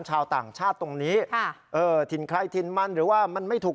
ชาวต่างชาติตรงนี้ค่ะเออถิ่นใครถิ่นมันหรือว่ามันไม่ถูก